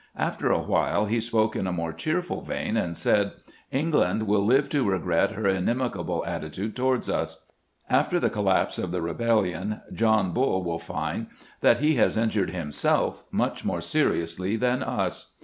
After a while he spoke in a more cheerful vein, and said :" England will live to regret her inimical attitude toward us. After the collapse of the rebellion John Bull will find that he has injured himself much more seriously than us.